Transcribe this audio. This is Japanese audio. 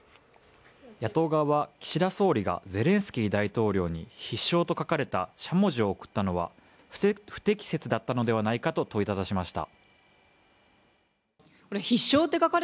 野党側は、岸田総理がゼレンスキー大統領に必勝と書かれたしゃもじを贈ったのは、不適切だったのではないかと問いただしました。